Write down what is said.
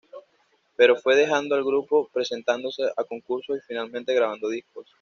Pero fue dejando el grupo presentándose a concursos y finalmente grabando discos.